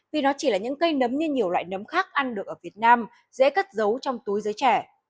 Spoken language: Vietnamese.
vì nó chỉ là những cây nấm như nhiều loại nấm khác ăn được ở việt nam dễ cất giấu trong túi giới trẻ